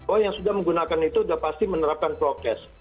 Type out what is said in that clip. oh yang sudah menggunakan itu sudah pasti menerapkan prokes